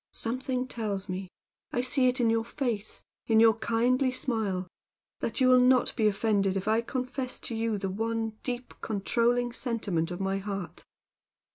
Something tells me I see it in your face in your kindly smile that you will not be offended if I confess to you the one deep controlling sentiment of my heart.